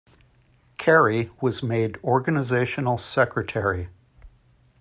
Kerry was made "Organizational Secretary".